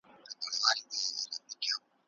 پانګه وال ښکېلاک د خلګو د ازادۍ دښمن دی.